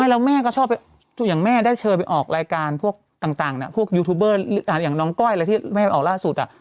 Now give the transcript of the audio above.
แล้วแม่ก็ชอบอย่างแม่ได้เชิญไปออกรายการพวกต่างพวกยูทูบเบอร์อย่างน้องก้อยอะไรที่แม่ไปออกล่าสุด